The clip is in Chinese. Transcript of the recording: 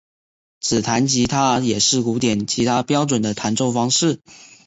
指弹吉他也是古典吉他标准的弹奏方式。